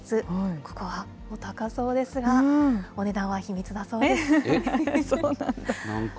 ここはお高そうですが、お値段はそうなんだ。